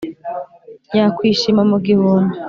yakwishima mu gihumbi.